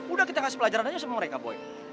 udah kita kasih pelajaran aja sama mereka boy